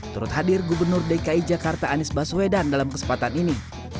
turut hadir gubernur dki jakarta anies baswedan dalam kesempatan ini